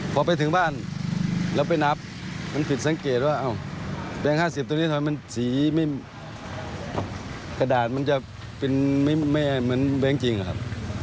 พอไปถึงบ้านแล้วไปนับมันผิดสังเกตว่าแบงค์๕๐ตัวนี้ทำไมมันสีไม่กระดาษมันจะเป็นไม่เหมือนแบงค์จริงอะครับ